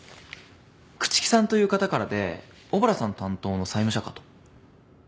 朽木さんという方からで小原さん担当の債務者かと。